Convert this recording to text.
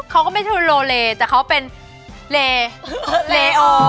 เขาก็ไม่ใช่โลเลแต่เขาเป็นเลเลอ